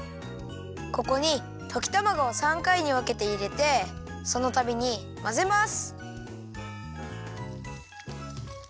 ここにときたまごを３かいにわけていれてそのたびにまぜます。